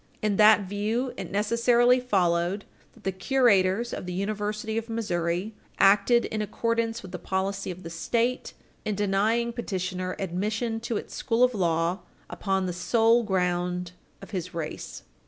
In that view, it necessarily followed that the curators of the University of Missouri acted in accordance with the policy of the State in denying petitioner admission to its School of Law upon the sole ground of his race.